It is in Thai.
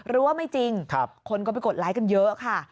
ว่าไม่จริงคนก็ไปกดไลค์กันเยอะค่ะ